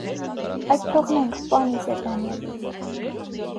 - Այդ թողնենք, պանի Զդանևիչ: